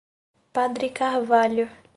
Padre Carvalho